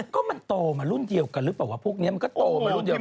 ก็มันโตมารุ่นเดียวกันหรือเปล่าวะพวกนี้มันก็โตมารุ่นเดียวกัน